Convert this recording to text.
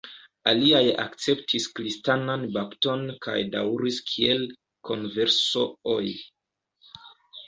Aliaj akceptis kristanan bapton kaj daŭris kiel "converso"-oj.